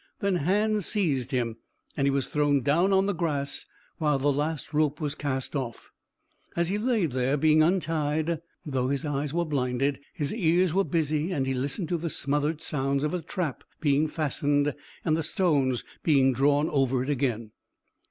Then hands seized him, and he was thrown down on the grass, while the last rope was cast off. As he lay there being untied, though his eyes were blinded, his ears were busy, and he listened to the smothered sounds of the trap being fastened and the stones being drawn over it again.